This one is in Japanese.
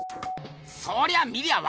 そりゃ見りゃあ